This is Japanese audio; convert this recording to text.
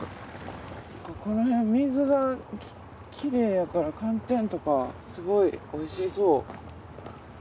このへん水がきれいやから寒天とかすごいおいしそう。